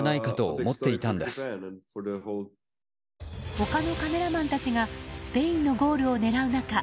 他のカメラマンたちがスペインのゴールを狙う中